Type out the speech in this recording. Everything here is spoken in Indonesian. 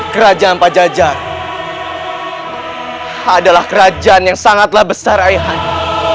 kerajaan panjajar adalah kerajaan yang sangatlah besar ayah anda